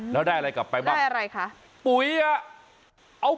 แล้วได้อะไรกลับไปบ้างได้อะไรคะ